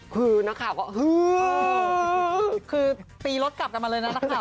คือนักข่าวก็ฮือคือตีรถกลับกันมาเลยนะนักข่าว